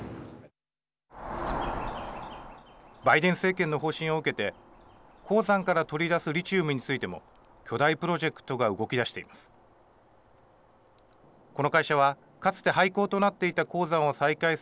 バイデン政権の方針を受けて鉱山から取り出すリチウムについても巨大プロジェクトが動き出しています。